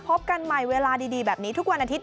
พบกันใหม่เวลาดีแบบนี้ทุกวันอาทิตย